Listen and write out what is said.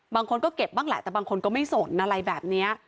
บางคนก็เก็บบ้างแหละแต่บางคนก็ไม่สนอะไรแบบนี้